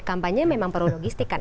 kampanye memang perlu logistikan